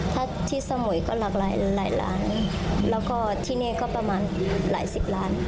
ถ้าที่สมุยก็หลากหลายหลายล้านแล้วก็ที่นี่ก็ประมาณหลายสิบล้าน